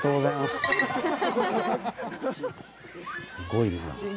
すごいな。